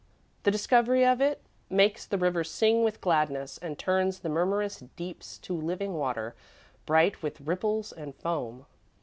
The discovery of it makes the river sing with gladness and turns the murmurous deeps to living water, bright with ripples and foam.